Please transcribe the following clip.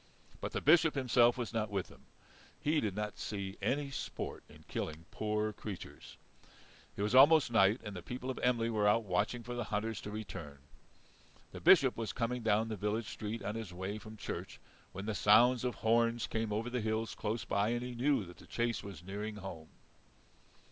But the Bishop himself was not with them. He did not see any sport in killing poor creatures. It was almost night, and the people of Emly were out watching for the hunters to return. The Bishop was coming down the village street on his way from church, when the sounds of horns came over the hills close by, and he knew the chase was nearing home.